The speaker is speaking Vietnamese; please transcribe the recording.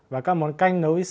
và các món canh nấu ít sữa